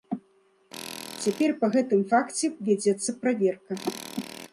Цяпер па гэтым факце вядзецца праверка.